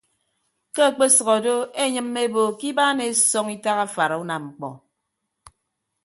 Ke ekpesʌk odo eenyịmme ebo ke ibaan esọñ itak afara unamñkpọ.